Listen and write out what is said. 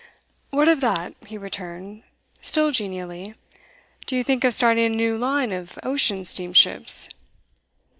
'What of that?' he returned, still genially. 'Do you think of starting a new line of ocean steamships?